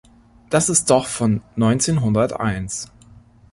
Das ist doch von neunzehnhunderteins.